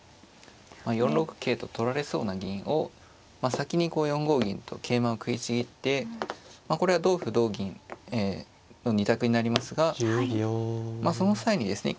４六桂と取られそうな銀を先にこう４五銀と桂馬を食いちぎってこれは同歩同銀の２択になりますがまあその際にですね